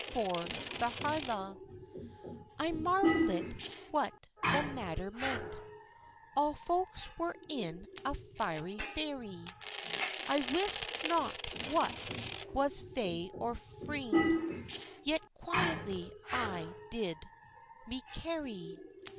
for the Harlaw. I marvlit what the matter meant; All folks were in a fiery fariy: I wist nocht wha was fae or freind, Yet quietly I did me carrie.